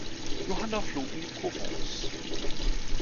Johanna floh in die Provence.